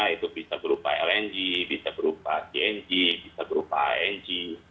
itu bisa berupa lng bisa berupa tng bisa berupa ng